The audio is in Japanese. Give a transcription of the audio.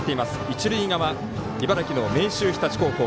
一塁側、茨城の明秀日立高校。